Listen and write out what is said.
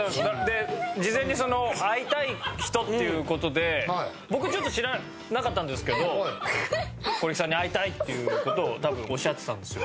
で事前に会いたい人っていう事で僕ちょっと知らなかったんですけど小力さんに会いたいっていう事を多分おっしゃってたんですよ。